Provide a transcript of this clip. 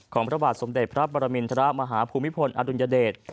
พระบาทสมเด็จพระปรมินทรมาฮภูมิพลอดุลยเดช